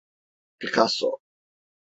Picasso…